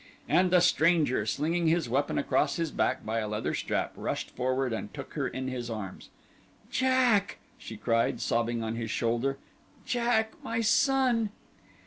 And the stranger, slinging his weapon across his back by a leather strap, rushed forward and took her in his arms. "Jack!" she cried, sobbing on his shoulder. "Jack, my son!"